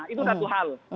itu satu hal